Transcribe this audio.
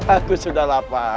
aku sudah lapar